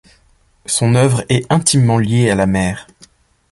Son œuvre est intimement liée à la mer.